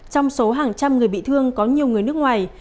trong số hàng trăm người bị thương có nhiều người nước ngoài